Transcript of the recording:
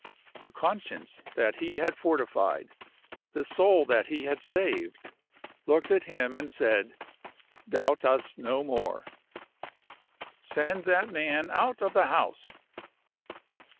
The conscience that he had fortified, the soul that he had saved, looked at him and said, Doubt us no more! "Send that man out of the house."